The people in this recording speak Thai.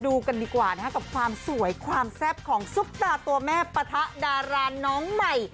กันดีกว่านะคะกับความสวยความแซ่บของซุปตาตัวแม่ปะทะดาราน้องใหม่